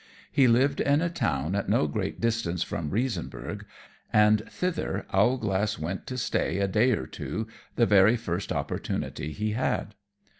He lived in a town at no great distance from Riesenburgh; and thither Owlglass went to stay a day or two, the very first opportunity he had.